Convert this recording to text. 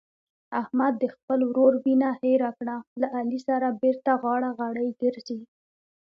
احمد د خپل ورور وینه هېره کړه له علي سره بېرته غاړه غړۍ ګرځي.